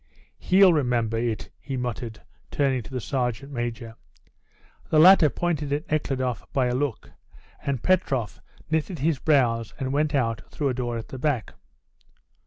"He'll remember it," he muttered, turning to the sergeant major. The latter pointed at Nekhludoff by a look, and Petrov knitted his brows and went out through a door at the back.